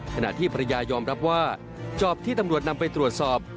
ขณะที่ภรรยายอมรับว่าจอบที่ตำรวจนำไปตรวจสอบ